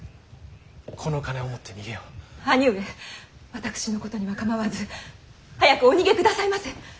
兄上私のことには構わず早くお逃げくださいませ！